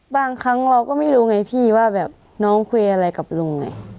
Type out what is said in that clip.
บางครั้งเราก็ไม่รู้ไงพี่ว่าแบบน้องคุยอะไรกับลุงไง